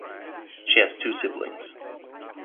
She has two siblings.